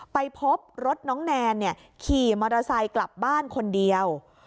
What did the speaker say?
ไปพบรถน้องแนนขี่มอเตอร์ไซค์กลับบ้านคนเดียว